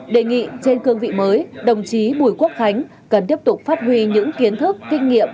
đề nghị trên cương vị mới đồng chí bùi quốc khánh cần tiếp tục phát huy những kiến thức kinh nghiệm